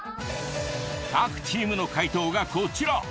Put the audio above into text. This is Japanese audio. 各チームの解答がこちら。